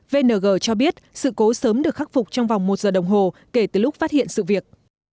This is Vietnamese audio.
vng cho biết sự cố sớm được khắc phục trong vòng một giờ đồng hồ kể từ lúc phát hiện sự việc